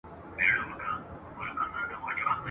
د ژوندون وروستی غزل مي پر اوربل درته لیکمه !.